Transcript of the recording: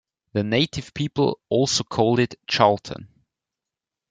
The native people also called it Chalten.